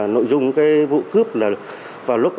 nội dung vụ cướp là vào lúc một mươi chín giờ